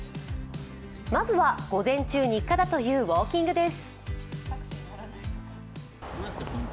まずは午前中、日課だというウオーキングです。